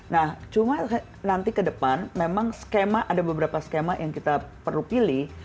nah cuma nanti ke depan memang skema ada beberapa skema yang kita perlu pilih